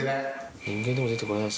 人間でも出てこられないです